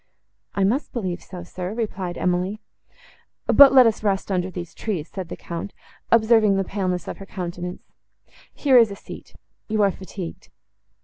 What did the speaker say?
—"I must believe so, sir," replied Emily. "But let us rest under these trees," said the Count, observing the paleness of her countenance; "here is a seat—you are fatigued."